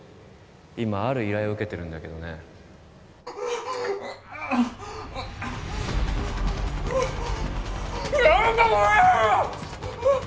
今ある依頼を受けてるんだけどねやめてくれっ！